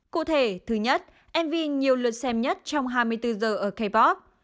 cụ thể thứ nhất mv nhiều lượt xem nhất trong hai mươi bốn giờ ở kbox